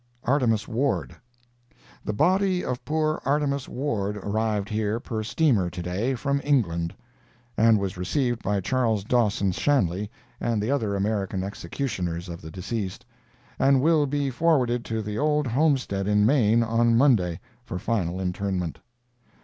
ARTEMUS WARD The body of poor Artemus Ward arrived here per steamer to day, from England, and was received by Chas. Dawson Shanley, and the other American executors of the deceased, and will be forwarded to the old homestead in Maine on Monday, for final interment.